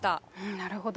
なるほど。